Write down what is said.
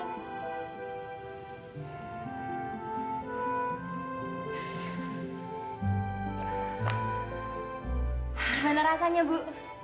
gimana rasanya bu